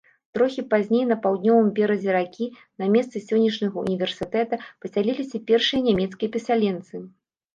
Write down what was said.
Трохі пазней на паўднёвым беразе ракі, на месцы сённяшняга ўніверсітэта, пасяліліся першыя нямецкія пасяленцы.